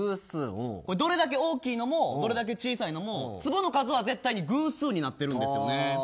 どれだけ大きいのもどれだけ小さいのも粒の数は偶数になっているんですよね。